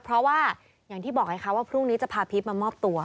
เพราะว่าอย่างที่บอกไงคะว่าพรุ่งนี้จะพาพีชมามอบตัว